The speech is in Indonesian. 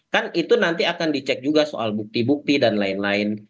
kan itu nanti akan dicek juga soal bukti bukti dan lain lain